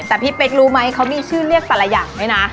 แต่พี่เป๊กรู้มั้ยเขามีชื่อเรียกตลาดไหนนะ